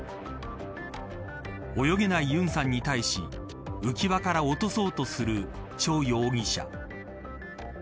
泳げないユンさんに対し浮輪から落とそうとするチョ容疑者。